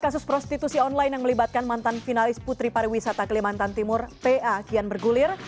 kasus prostitusi online yang melibatkan mantan finalis putri pariwisata kelimantan timur pa kian bergulir